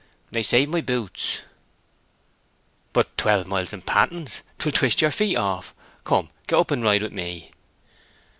"They save my boots." "But twelve miles in pattens—'twill twist your feet off. Come, get up and ride with me."